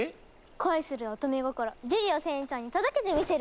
恋する乙女心ジュリオ船長に届けてみせるわ！